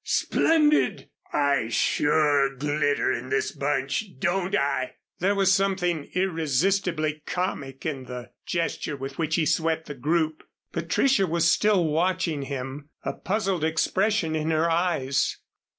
Splendid. I sure glitter in this bunch, don't I?" There was something irresistibly comic in the gesture with which he swept the group. Patricia was still watching him a puzzled expression in her eyes.